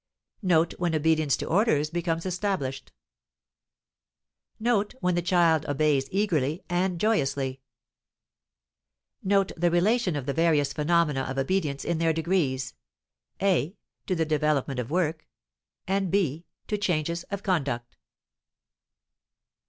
Note when obedience to orders becomes established. Note when the child obeys eagerly and joyously. Note the relation of the various phenomena of obedience in their degrees (a) to the development of work; (b) to changes of conduct.